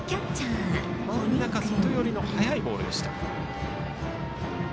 真ん中外寄りの速いボールでした。